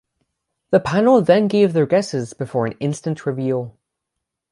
The panel then gave their guesses before an instant reveal.